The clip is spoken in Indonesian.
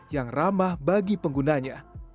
yang ramah bagi penggunanya